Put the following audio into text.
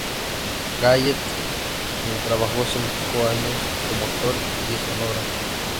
Gallen, donde trabajó cinco años como actor y escenógrafo.